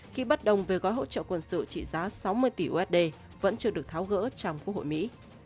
khi bất đồng về gói hỗ trợ quân sự trị giá sáu mươi tỷ usd vẫn chưa được tháo gỡ trong quốc hội mỹ